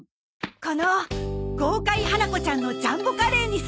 この『ごうかい！ハナコちゃんのジャンボカレー』にする。